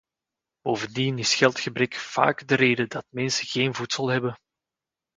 Bovendien is geldgebrek vaak de reden dat mensen geen voedsel hebben.